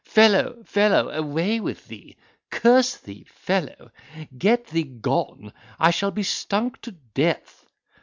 Fellow, fellow, away with thee! Curse thee, fellow! Get thee gone! I shall be stunk to death!"